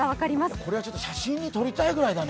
これは写真に撮りたいぐらいだね。